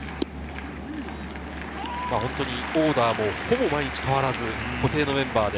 オーダーもほぼ毎日変わらず固定メンバーで。